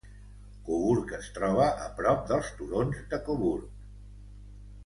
Coburg es troba a prop dels turons de Coburg.